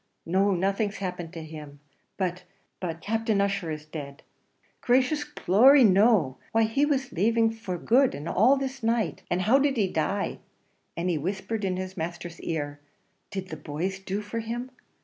"No, nothing's happened him; but but Captain Ussher is dead!" "Gracious glory no! why he was laving this for good and all this night. And how did he die?" and he whispered in his master's ear "did the boys do for him?"